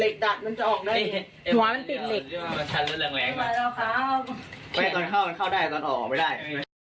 เว้ยก่อนเข้ากันเข้าได้ก่อนออกออกไม่ได้